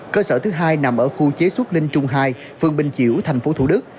cơ sở thứ hai nằm ở khu chế xuất linh trung hai phương bình chiểu tp thủ đức